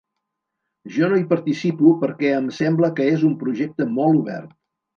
Jo no hi participo perquè em sembla que és un projecte molt obert.